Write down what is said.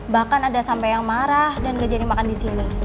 bahkan ada sampe yang marah dan gak jadi makan disini